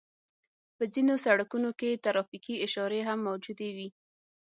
په ځينو سړکونو کې ترافيکي اشارې هم موجودې وي.